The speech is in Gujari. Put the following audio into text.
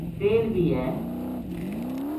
تیل بھی ہے۔